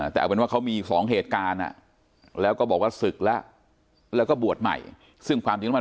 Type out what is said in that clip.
แต่ว่าเขามี๒เหตุการณ์อ่ะแล้วก็บอกว่าศึกแล้วก็บวชใหม่ซึ่งความจริงมัน